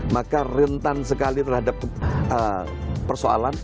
maka rentan sekali terhadap persoalan